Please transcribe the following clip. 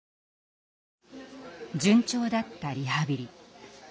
順調だったリハビリ。